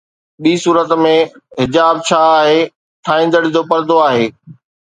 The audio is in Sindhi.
ٻي صورت ۾، حجاب ڇا آهي، ٺاهيندڙ جو پردو آهي